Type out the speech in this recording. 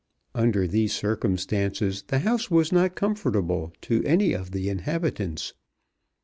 Under these circumstances, the house was not comfortable to any of the inhabitants.